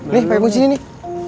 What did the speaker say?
nih pakain pun sini nih